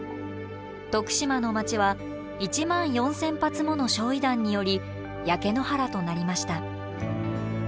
徳島の街は１万４，０００発もの焼夷弾により焼け野原となりました。